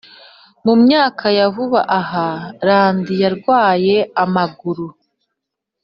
Mu myaka ya vuba aha randi yarwaye amaguru